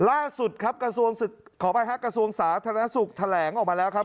ล่าสุดครับกระทรวงสาธารณสุขแถลงออกมาแล้วครับ